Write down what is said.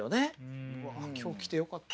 わあ今日来てよかった。